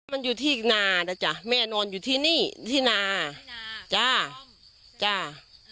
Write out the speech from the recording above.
มันอยู่ที่นานะจ๊ะแม่นอนอยู่ที่นี่ที่นาจ้าจ้า